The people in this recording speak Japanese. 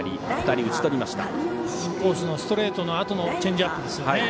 インコースのストレートのあとのチェンジアップですよね。